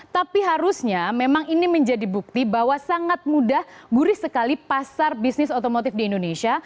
tapi harusnya memang ini menjadi bukti bahwa sangat mudah gurih sekali pasar bisnis otomotif di indonesia